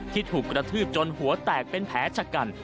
ที่ถูกกระทืบจนหัวแตกเป็นแผลชะกัน